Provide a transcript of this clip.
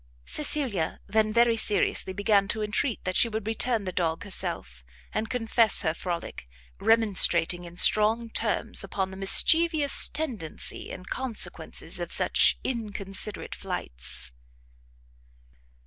Cecilia then, very seriously began to entreat that she would return the dog herself, and confess her frolic, remonstrating in strong terms upon the mischievous tendency and consequences of such inconsiderate flights.